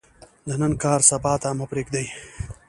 د نن کار سبا ته مه پریږدئ